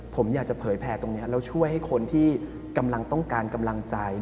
ผมอยากจะเผยแพร่ตรงนี้แล้วช่วยให้คนที่กำลังต้องการกำลังใจ